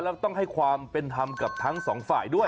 เราต้องให้ความเป็นธรรมกับทั้ง๒ฝั่ง